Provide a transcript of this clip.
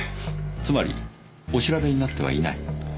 つまりお調べになってはいない。